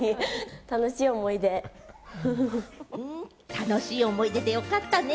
楽しい思い出でよかったね。